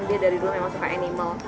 dia dari dulu memang suka animal